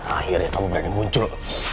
akhirnya kamu berani muncul